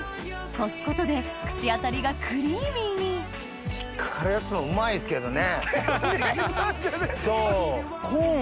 こすことで口当たりがクリーミーに引っ掛かるやつもうまいですけどね。